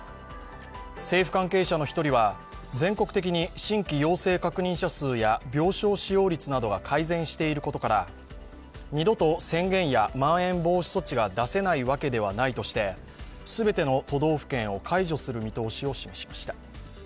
政府関係者の１人は全国的に新規陽性確認者数や病床使用率などは改善していることから二度と宣言やまん延防止措置が出せないわけではないとして全ての都道府県を解除する見通しを示しました。